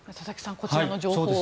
こちらの情報を。